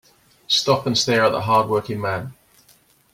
Stop and stare at the hard working man.